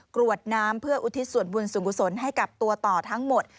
กรวดน้ำเพื่ออุทิศส่วนบุญสูงกุศลให้กับตัวต่อทั้งหมด